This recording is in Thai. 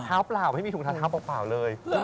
เท้าเปล่าไม่มีถุงทานทาวน์เปล่าเลย